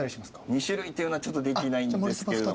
２種類っていうのはちょっとできないんですけど。